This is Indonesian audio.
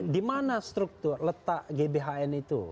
di mana struktur letak gbhn itu